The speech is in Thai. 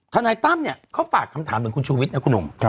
นายตั้มเนี่ยเขาฝากคำถามเหมือนคุณชูวิทยนะคุณหนุ่ม